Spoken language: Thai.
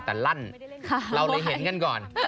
แต่ลั่นเราเลยเห็นกันก่อน